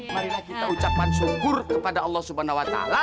marilah kita ucapkan syukur kepada allah subhanahu wa ta'ala